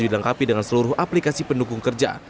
dilengkapi dengan seluruh aplikasi pendukung kerja